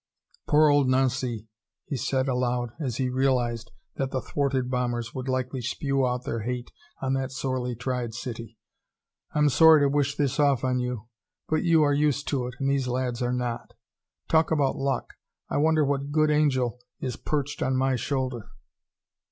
"Poor old Nancy!" he said aloud as he realized that the thwarted bombers would likely spew out their hate on that sorely tried city. "I'm sorry to wish this off on you, but you are used to it and these lads are not. Talk about luck! I wonder what good angel is perched on my shoulder."